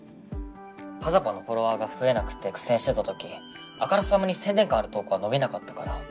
「ｐａｚａｐａ」のフォロワーが増えなくて苦戦してた時あからさまに宣伝感ある投稿は伸びなかったから。